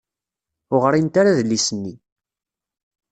Ur ɣrint ara adlis-nni.